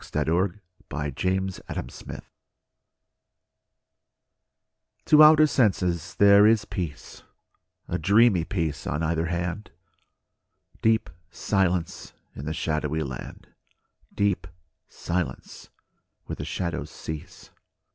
fi4S] II LA FUITE DE LA LUNE TO outer senses there is peace, A dreamy peace on either hand, Deep silence in the shadowy land, Deep silence where the shadows cease.